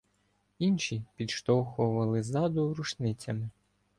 Інші підштовхували ззаду рушницями.